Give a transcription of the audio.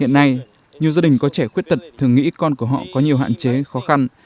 hiện nay nhiều gia đình có trẻ khuyết tật thường nghĩ con của họ có nhiều hạn chế khó khăn